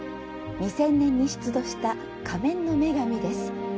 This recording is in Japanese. ２０００年に出土した「仮面の女神」です。